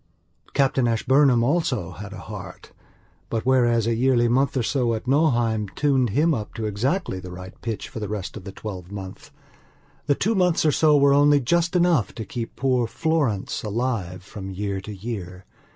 Captain Ashburnham also had a heart. But, whereas a yearly month or so at Nauheim tuned him up to exactly the right pitch for the rest of the twelvemonth, the two months or so were only just enough to keep poor Florence alive from year to year.